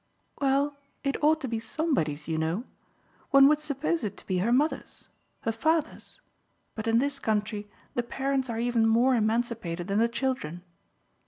"Well, it ought to be somebody's, you know. One would suppose it to be her mother's her father's; but in this country the parents are even more emancipated than the children.